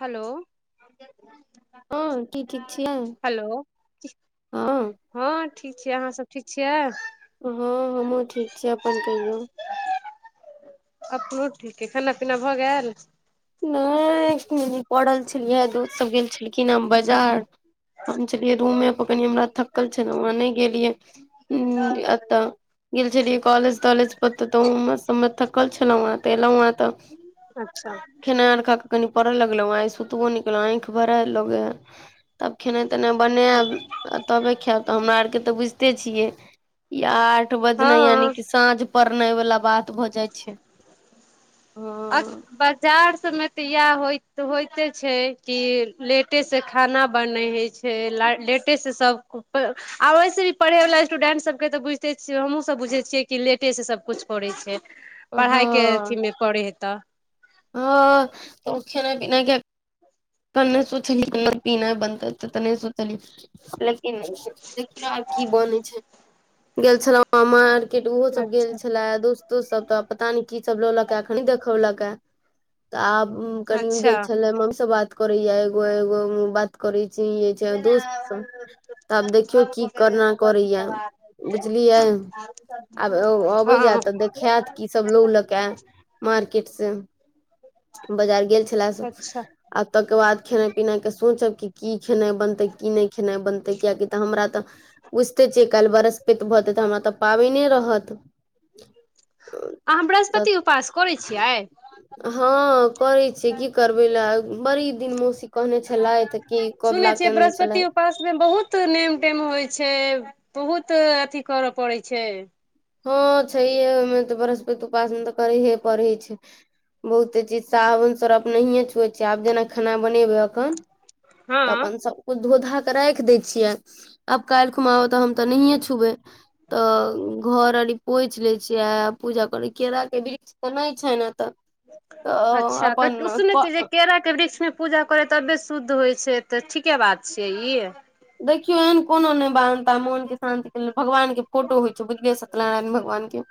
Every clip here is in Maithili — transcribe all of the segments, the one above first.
हलो। हँ की ठीक छियैय? हेलो हँ। हँ ठीक छियैय अहाँ सब ठीक छियैय? हँ हमहूँ ठीक छीयैय, अपन कहियौ? अपनो ठीक हय, खाना-पीना भऽ गेल? नै परल छलियै दोस्त सब गेल छलखिन ए बजार हम छलियै रूमेपर कनि हमरा थकल छलौउ हें नै गेलियै उं एत। गेल छलियै कॉलेज-तॉलेज पर तऽ ओमर सभमे थकल छलहुँ हें तऽ एलहुँ हें तऽ अच्छा। खेनाइ आरी खा कऽ कनी परह लगलौं, आइ सुतबो नै केलौं आंइख भराएल लगैय हे आब खेनाइ-तेनाइ बनाएब आ तबे खेब तऽ हमरा आरके त बुइझते छियै ई आब आठ बजनाइ यानि हँ की साँझ पर- नाइ बाला बात भऽ जाइ छैय। अक बक [unintelligible] जार सबमे तऽ इएह होइते छैय की लेटेसँ खाना बनैय हइछ। हे लेटेसँ सब आ वैसे भी पढ़ैय बाला स्टूडेंट सब के त बुइझते छियैय हमहूँ सब बुझैय छियैय कि लेटेसँ सबकुछ करैय छैय, पढ़ाइ के हँ अथीमे पड़ैय हेय हँ तब खेनाइ-पीनाइ के त नै सोचली खेनाइ-पीनाइ बनतैय। ओते त तऽ नै सोचलियै लेकिन देखियौ आब की बनैय छैय गेल छलौंउ हें मार्केट उहो सब गेल अच्छा छलए दोस्तो सब त पता नै की सब लौलक ए एखन नै देखौलक ए, त आब कनियों गेल अच्छा छलैए मम्मी सँ बात करैये एगो आ एगो बात करैय छै दोस्त सब तऽ आब देखियौ की करना करैया बुझलियै आब अबै हँ जायत तऽ देखायत की सब लोग लऽके मार्केटस ह बाजार गेल छले से आ तेके बाद खाना पिना के सोचब क की खेनाइ बनते की नहि खेनाइ बनते कियकि तऽ हमरा तऽ बुझते छियै कालहि बरहस्पेति भते तऽ हमरा तऽ पाबिने रहत अहाँ बृहस्पति उपास करै छियै हँ करे छीयै की करबे लए बड़ी दिन मौसी कहने छलथि की सुनै कबला बृहस्पति उपास मे बहुत नेम टेम होइ छै बहुत अथी करऽ पड़ैत छै हँ छै त बृहस्पति उपास तऽ कर हे परै छै बहुते चीज साबुन सरफ नहिए छुए छ आब जेना खाना बनेबै एखन हँ तऽ अपन सबकुछु धो धा कऽ राख दै छियै आब काल्हि उ तऽ हम तऽ नहिे छुवे तऽ घर आर पोछ ले छी से पूजा करै केरा के वृक्ष त नहि छै ने तऽ तऽ अच्छा तऽ अपन उसने ची के केरा के वृक्षमे पूजा करै तबे शुद्ध होइ छै तऽ ठीके बात छियै ई देखियौ एहन कोनो नहि बानधता मोन के शान्त के भगवान के फोटो होइ छै बुझलिये सत्य नारायण भगवान के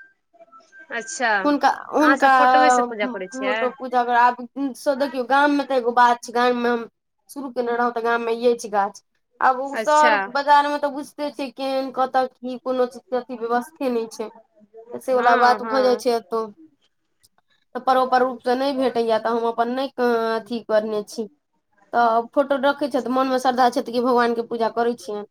अच्छा हुनका अहाँ हुनका सब फोटोए से पूजा करै छियै फोटो पूज आब देखियौ गाम मे तऽ एगो बात छै गाम मे हम शुरू कने रहौ तऽ गाममे ये छी गाछ ओ अच्छा शहर बाजार में तऽ बुझते छिये केहन कते ई कोनो चीज के अथी व्यवस्थे नहि छै त से वला हँ बात भऽ जाइ हँ छै एतौ तऽ परोपर रूपसँ नहि भेटैया तऽ हम अपन नहि अथी करने छी तऽ फोटो रखैत छथि मोनमे श्रद्धा छथि कि भगवानके पूजा करै छियनि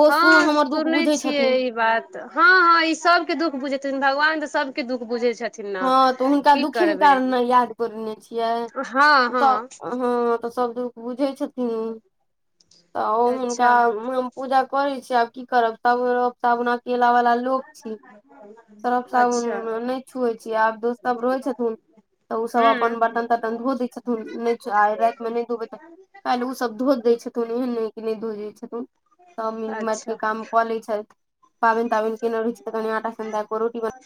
ओ सुन हँ हमर दुःख सुनै बुझै छियै छथिन ई बात हँ हँ ई सबके दुःख बुझेथिन भगवान तऽ सब दुःख बुझै छी हँ तऽ हुनका दुःखेके कारण ने याद करेने छियै हँ तऽ हँ हँ तऽ सब दुःख बुझै छथिन तऽ अच्छा हुनका पूजा करे छी आब की करब सब सना केला वाला लोक छी सरफ साबुन अच्छा नैय छुए छी आब दोस्त सब रहै छथिहीन तऽ ओसभ अपन हूँ बर्तन तर्तन धो दै छथन नहि आइ रातिमे नहि धोबै तऽ काल उ सब धो दै छथुन एहन नहि कि नहि धो दैथन सब मिल माट के अच्छा काम कऽ लै छथिन पाबन ताबिन कने रु छै तऽ कनि आटा सेन दे रोटी बन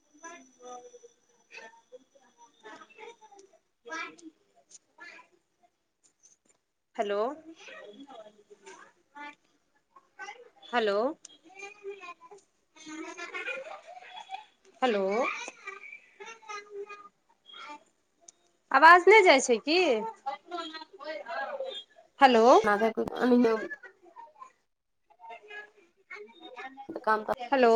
[unintelligible] ब हेलो हैेलो हेलो आवाज नहि जाइ छै की हेलो ज्यादा क एहीमे त काम हेलो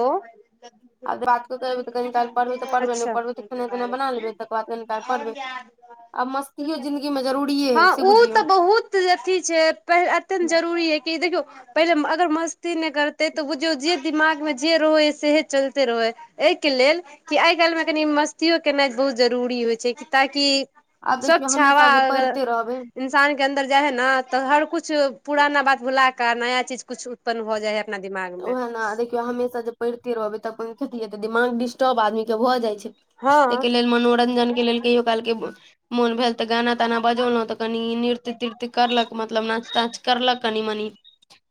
आओर बातो करबय कनी काल पढ़बे त पढ्बे नै पढबे त खाना पिना बना लेैबे अच्छा तकर बाद पढ़बै आब मस्तिये जिन्दगी मे जर हँ ओ तऽ बहुत अथी छै प अत्यं जरूरी है कि देखियौ पहिले अगर मस्ती नहि करतै तऽ बुझियौ जे दिमागमे जे रहै हइ सएहे चलिते रहै एहिके लेल कि आइ काल्हिमे कनि मस्तियो केनाइ बहुत जरूरी होइ छै ताकि आब देखियौ स्वच्छ हवा हमेशा जे अगर पढ़िते रहबै इन्सान के अन्दर जाइ ह न तऽ हर कुछ पुराना बात भुला क नया चीज कुछ उत्पन्न भ जाय है अपना दिमाग मे उएह ने देखियौ हमेशा जे पड़िते रहबै तऽ ख दिमाग डिस्टर्ब आदमी के भऽ जाय छै ताहिके हँ लेल मनोरंजन के लेल कहियो कालके मोन भेल तऽ गाना ताना बजौलहुं तऽ कनि नृत्य तीर्ति करलक मतलब नाच ताच करलक कनि मनी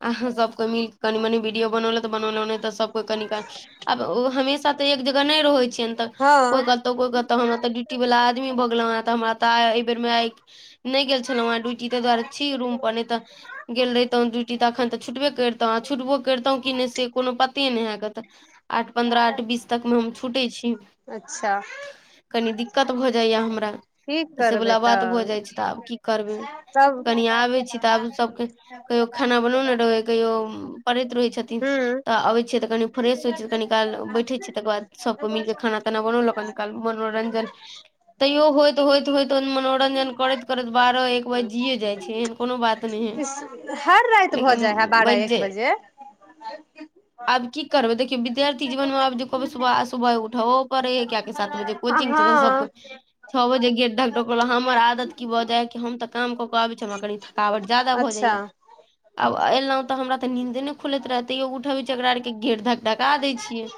अहां सब को मिल कनि मनी बनोलत बनोलत सब क आब ओ हमेशा तऽ एक जगह नहि रहै त कोई हँ कहतौ कोई कहतहु हमरा तऽ ड्यूटी वाल आदमी बगलो ह त हमरा त बेर मे आइ नहि गेल छलौँ हे ड्यूटी ता दुआरे छी रू पर नहि तऽ गेल रहितौं ड्यूटी तऽ अखन तऽ छूटबे करतहुँ आ छूटबो करितहुँ कि नहि से कोनो पते नहि है तऽ आठ पन्द्रह आठ बीस तक मे हम छूटे छी अच्छा कनि दिक दिक्कत भऽ जाइया हमरा की तऽ करबै सेवला बात भऽ जाइ छै तऽ आब की करबै सब कनि आबै छी तऽ आब सभके कहियो खाना बनौने रहै कहियो पड़ैत रहैत छथिन हूं तऽ अबैत छियै तऽ कनि फ्रेश होइ छै त कनि काल बैठे छियै तकर बाद सभके मिल क खाना ताना बनौलक कनि काल मनोरंजन तैयो होइत होइत होइत मनोरंजन करैत करैत बारह एक बार जियए जाइत छै एहन कोनो बात नहि है इ हर राति भऽ लेकिन जाइ हइ बारह बजि एक जे बजे आब की करबै देखियौ विद्यार्थीनमे आब कहबै सुबह सुबह उठबो करे है कि सात बजे कोचिंग छै तऽ सब हँ छओ बजे गेट ढक ढकलक हमर आदत की भऽ जाय कि हम तऽ काम कऽ के आबे छी हमरा कनि थकावट ज्यादा अच्छा भजाएया त हमारा त निन्दे नय खुलेय जकरा आर के गेट घक धका दै छियै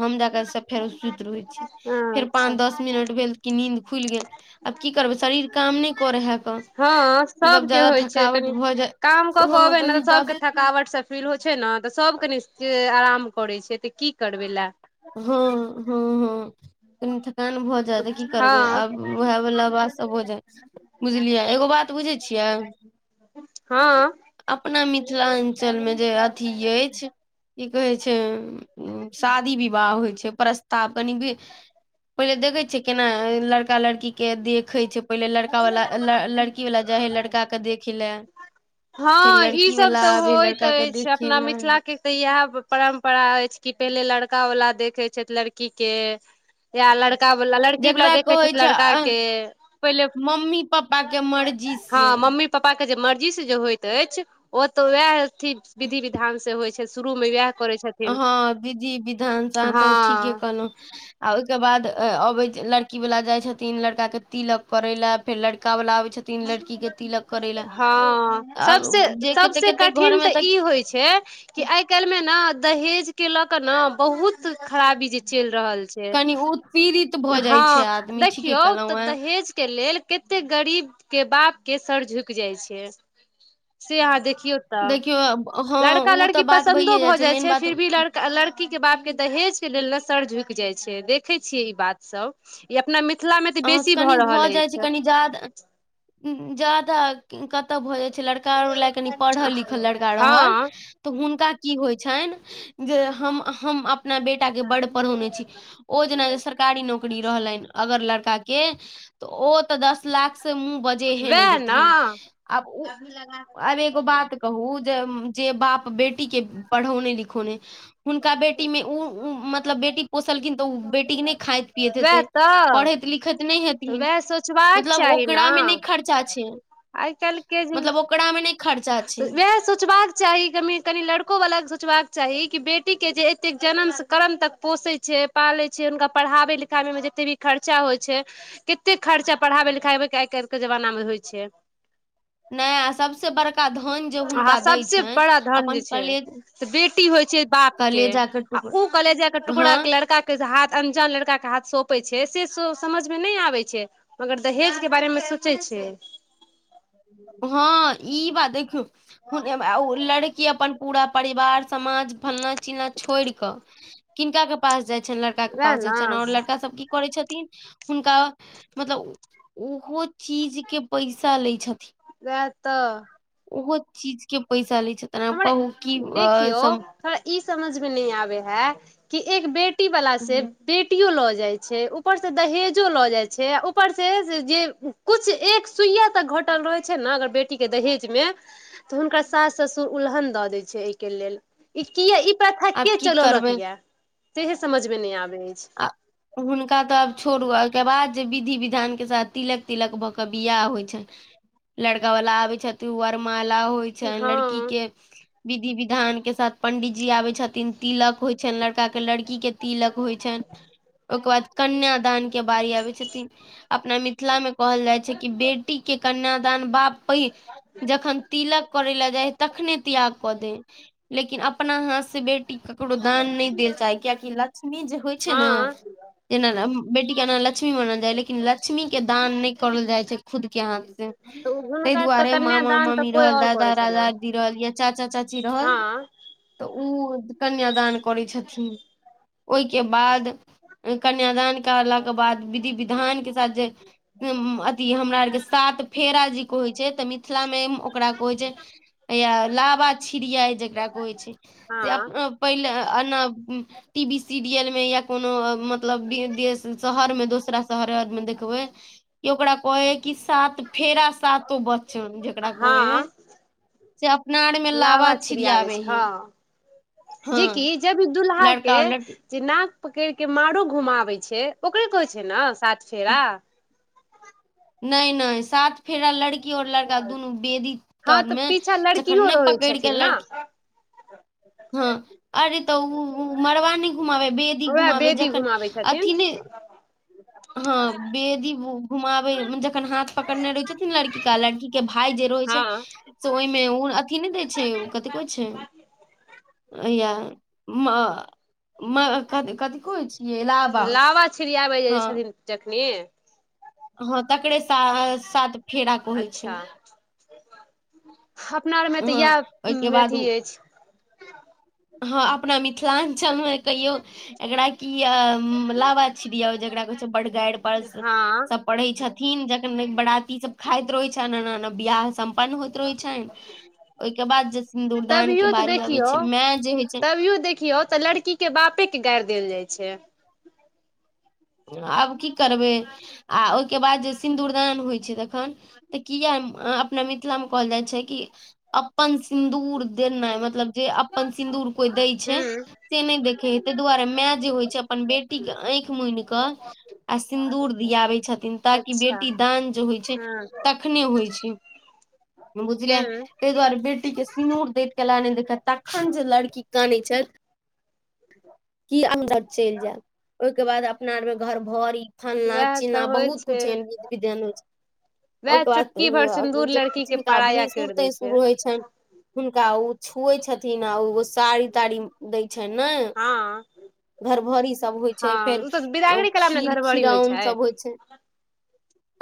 हम जक सब फेर सुति रहै छी हँ फेर पान अच्छा दस मिनट भेल कि नीन्द खुलि गेल आब की करबै शरीर काम नहि करे है क हँ सबके होइ छै कनि काम कऽ के हँ अबै ने कनि तऽ सभके जादे हँ थकावट से फील होइ छै ने तऽ सभ कनि आराम करै छै तऽ की करबै लए हँ हँ हँ कनि थकान भऽ जाय तऽ की करबै हँ आब वएह वला आवात सब हो जाय बुझलियै एगो बात बुझे छिये हँ अपना मिथिला मिथिलांचल मे जे अथी अछि की कहै छै शादी विवाह विवाह होइ छै प्रस्ताव कनि भी पहिले देखै केना लड़का लड़की के देखे छै पहिले लड़का वाला लड़की वाला जा हे लड़का के देख देखे लै हँ ईसभ तऽ होइत के अछि देखे अपना ले मिथिला के तऽ इह परम्परा अछि कि पहिले लड़का वालला देखे छै लड़की के या ल तब लड़की वाल जकरा देखै छै कहै लड़का अ, के पहिले मम्मी पापा के मर्जी से मम्मी पप्पा के जे मर्जी से जे होयइत अछि ओ तऽ वएह अथी विधि विधान से होइ छै शुरू मे वएह हँ विधि विधान च तऽ ठीके हँ कहेलहुँ आ ओहिके बाद अबे लड़की वाला जाय छथिन लड़का के तिलक पड़े ले फेर लड़का वाला छथिन लड़की के तिलक करै लए हँ सब आब जे सबस कते कते घर कठिन मे तऽ ई होइ छै आय काल मे ना दहेज के लोक ना बहुत खराबी छै जे रहल छै कनि उत्पीड़ित भऽ जाइ हँ छै आदमी ठीके देखियौ तऽ कहलहुँ हेँ दहेज के लेल कतेक गरीब के बाप के सर झुकि जाइ छै से अहाँ देखियौ तऽ देखियौ अब- हँ लड़का ओ तऽ लड़की बात पसन्दो भइए भऽ जाइ मेन छै बात फिर भी लड़का लड़की के बापके दहेज के लेल न सर झुकि जाइ छै देखै छियै ई बात सब ई अपना मि मिथिला मे तऽ अहाँ बेसी भऽ कनि रहल जाइ छै अछि कनि जादा जादा कतअ भय लड़का ओर ले कनी पढ़ल लिखल लड़का रहल हँ तऽ हुनका की होइ छनि जे हम हम अपना बेटाके बड पढ़ौने छी ओ जेना सरकारी नौकरी रहलनि अगर लड़का का के ओ तऽ दस लाख से मुह बजेहे नै वएह देथिन ने आब ऊ आब एगो बात कहू जे जे बाप बेटी के पढ़ौने लिखौने हुनका बेटी मे ऊ ओ मतलब बेटी पोसलखिन तऽ ओ बेटी के नय खाइत पियैत वएह हेते तऽ पढ़ैत लि खैत नय तऽ हेथिन वएह सोचबाक चाही न ओकरा मे नहि खर्चा छै आइ काईल के मतलब ओकरा मे नहि खर्चा छै तऽ वएह सोचबाक चाही कनी कनि लड़को वला के सोचबा चाही कि बेटी के जे एते जनम स कर्म तक पोषे छै पाले छै हुनका पढ़ाबे लिखाबे मे जे ते भी खर्चा होइ छै कते खर्चा पढ़ाबे लिखाबे के आइ कायिल के जमाना मे होइ छै नय अ सबसे बड़का धन जे आहा हुनका दै सबसे छनि बड़ा धन अपन छै कलेज से बेटी होइ छै बाप के कलेजा टुकड़ा उ कलेजा के टुकड़ा हँ लड़का के जे हाथ अन्जा लड़का के हाथ सोपे छै से सो समझ मे नय आबै छै मगर दहेज के बारे मे सोचे छै छै हँ ई बात देखियौ लड़की अपन पूरा परिवार समाज फना चिना छोयिड़ क किनका के पास जाय छैन लड़का के वएह पास जायन ने छैन और लड़का सब की करै छथिन हुनका मतलब ओहो चीज के पैसा लै छथिन वैह तऽ ओहो चीज के पैसा ले हमरा देखियौ हमरा ई समझ मे नय आबे हे कि एक बे बेटी वला से हम्म, बेटियो लॉ जाइ छै ऊपर से दहेजो लऽ जाइ छै ऊपर से जे कुछ एक सुइया तक घर घटल रहय छय न अगर बेटी के दहेज मे त हुनकर सांस ससुर त उल्हन दऽ दै छै एहिके लेल ई कीए ई प्रथा के आब की चलौलक करबै यऽ तेहे समझमे नय आबे आ हुनका तऽ आब छोरू आ के बाद जे विधि विधान के साथ तिलक तिलक भऽ के बियाह होइ छइन लड़कावला आबय छथि वर मार माला होइ छइन हँ लड़की के विधि विधान के साथ पंडित जी आबे छथिन तिलक होइ छैन लड़का के लड़की के तिलक होय छैन ओकर बाद कन्यादान के बारी आबै छथिन अपना मिथिला मे कहल जाइ छै कि बेटी के कन्यादान बाप पे जखन तिलक करे लए जाइ तखन तखने त्याग क दै लेकिन अपना हाथ से बेटी केकरो दान नय देल चाहे कियाकी लक्ष्मी जे होय छय न हँ ऐना बेटी के लक्ष्मी मानल जाइ लेकिन लक्ष्मी के दान नय करल जाइ छै खुद के हाथ से तऽ तय हुनका तऽ दुआरे मामा कन्यादान तऽ मामी कोइ रहल आओर दादा करै छै ने दादा जी रहल या चाचा चाची जी रहल हँ तऽ ओ कन्याद करै छथिन ओइ के बाद कन्यादान करलाक के बाद विधि विधान के साथ जे अथी हमरा आरके साथ सात फेरा जे कहै छै तऽ मिथिला मे ओकरा कहै छै लाबा छिड़िया रा होइ छै से अप हँ पहिले अना टीवी सीरियल मे या कोनो मतलब बिदेश शहर में दोसरा शहर मे देखबै कि ओकरा कहै है कि सात फेरा सातो बच्चन जेकरा कहै है ह से अपना आर मे लाबा लावा छीरयाबय छिड़ियाबे छै है हँ जे हँ की जब इ दूलाहाके लड़का और लड़की चना पकड़ के मारो घुमबै छै ओकरे कहै छै ने सात फेरा नैय नैय साथ फेरा लड़की और लड़का दुनू वेदी हँ तर तऽ मे जखन नहि पकड़ के लड़की ह हँ अरे तऽ उ मड़बा नहि घुमाबे बेदी उएह घुमाबे बेदी जखन घुमाबै छथिन अथी ने हँ बेदी ब जखन हाथ पकड़ने रहे छथिन लड़की का लड़की के भाय जे रहे हँ छै से ओहि मे उ अथी ने छै ओ कतेको छै या म क कथ कहो छियै लाबा लावा छिड़ियाबै जाइ हँ छथिन जखनी हँ तकरे सा साथ फेरा होइ छै अच्छा अपना आरमे तऽ हँ ओहिके इएह बाद अथी उ अछि काम चमैय कहियौ एकरा की अ लाबा छियौ जेकरा कहै छै ब गार हँ पढ़ै छथिन जखन बराती सब खाइत रहै छै एना न बियाह सम्पन्न होइत रहय छै तभियो तऽ अबै देखियौ छै माय जे होइ छै तभियो देखियौ तऽ लड़की के बाप के के गार देल जाइ छै आब की करबै आ ओहिके बाद जे सिन्दूरदान होइ छै तखन तऽ किया नहि अपना मिथिलामे कहल जाइ छै कि अपन सिन्दूर दैना मतलब जे अपन सिन्दूर कोई दय छै हूँ से नहि देखे हे ताहि दुआरे मायं जे होय छै अपन बेटी के आँईख मुन केे क आ सिन्दूर दियाबै छथि न ताकि अच्छा बेटी दान जे होइ छै हँ तखने होइ छै बुझलिय हूँ त दुआरे कुीक के सिनूर दैत केल देख तखन जे लड़की कानैत छथि ह कि अन्दर चलि जायब ओहिके बाद अपना आरमे घर भरि फल्लां वएह चिल्लां तऽ होइ बहुत कुछ छै एहन विध विधान होइ छै वएह ओहिके चुटकी भर सिन्दूर बाद लड़की के जिनका पराया भैंसुर कैर दै छै तैंसुर रहय छनि हुनका ओ छुए छथिन आ ओगो साड़ी ताड़ी दै छै नै हँ घरभरिसभ होइ छै हँ फेर ओ तऽ बिदागरी कला मे ने खीर घरभरी होइ छै खीरौन सभ होइ छै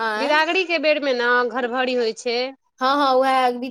आँय बिदागरी के बेर मे न घर भरी होइ छै हँ हँ विहेअी